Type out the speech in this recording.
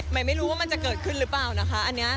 ไม่รู้ว่ามันจะเกิดขึ้นหรือเปล่านะคะอันนี้